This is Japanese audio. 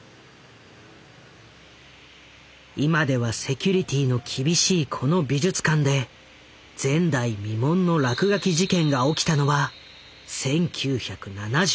今ではセキュリティーの厳しいこの美術館で前代未聞の落書き事件が起きたのは１９７４年。